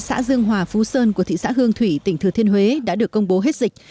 xã dương hòa phú sơn của thị xã hương thủy tỉnh thừa thiên huế đã được công bố hết dịch